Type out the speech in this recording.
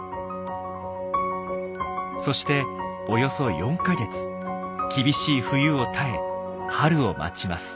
そしておよそ４か月厳しい冬を耐え春を待ちます。